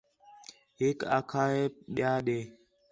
ہِک آکھا ہے ٻَئہ ݙے